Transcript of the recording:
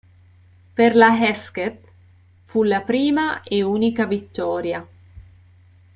Per la Hesketh fu la prima e unica vittoria.